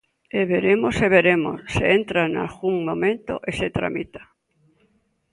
E veremos, e veremos, se entra nalgún momento e se tramita.